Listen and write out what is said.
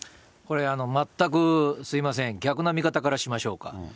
これ、全くすみません、逆な見方からしましょうか。